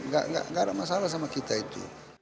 nggak ada masalah sama kita itu